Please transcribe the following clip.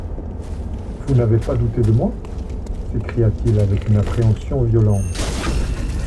—Vous n’avez pas douté de moi ?» s’écria-t-il avec une appréhension violente.